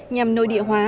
nhằm nôi địa hòa